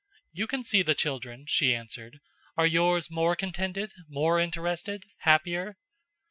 "You can see the children," she answered. "Are yours more contented more interested happier?"